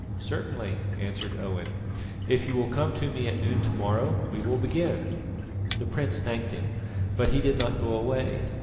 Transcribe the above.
"Certainly," answered Owen; "if you will come to me at noon to morrow, we will begin." The prince thanked him, but he did not go away.